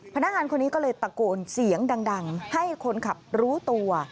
พนักงานคนนี้ก็เลยตะโกนเสียงดังให้คนขับรู้ตัว